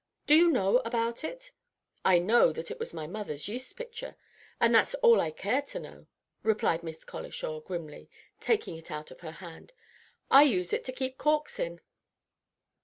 Do you know about it?" "I know that it was my mother's yeast pitcher, and that's all that I care to know," replied Miss Colishaw, grimly, taking it out of her hand. "I use it to keep corks in."